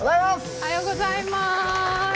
おはようございます。